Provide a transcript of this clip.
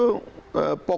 itu orang yang tidak nampak